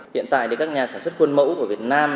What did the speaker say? hiện tại thì các nhà sản xuất khuôn mẫu của việt nam